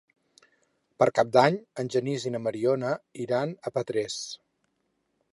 Per Cap d'Any en Genís i na Mariona iran a Petrés.